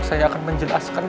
saya akan menjelaskan semuanya